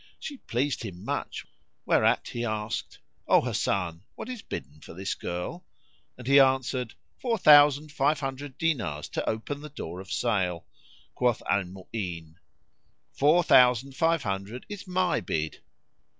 She pleased him much whereat he asked, "O Hasan, what is bidden for this girl?" and he answered, "Four thousand five hundred dinars to open the door of sale." Quoth Al Mu'ín, "Four thousand five hundred is MY bid."